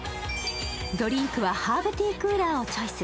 ドリンクはハーブティー・クーラーをチョイス。